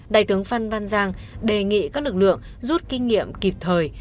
đại tướng phan văn giang đề nghị các lực lượng rút kinh nghiệm kịp thời